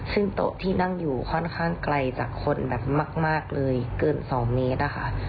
ซึ่งโต๊ะที่นั่งอยู่ค่อนข้างไกลจากคนแบบมากเลยเกิน๒เมตรอะค่ะ